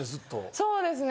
そうですね。